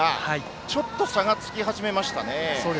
ちょっと差がつき始めましたね。